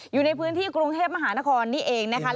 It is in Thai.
อยู่ในพื้นที่กรุงเทพมหานครนี่เองนะคะ